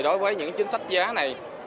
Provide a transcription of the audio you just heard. đối với những chính sách giá này